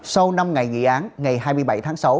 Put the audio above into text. sau năm ngày nghị án ngày hai mươi bảy tháng sáu